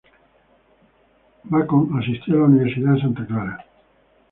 Bacon asistió a la Universidad de Santa Clara.